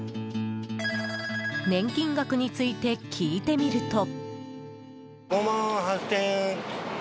年金額について聞いてみると。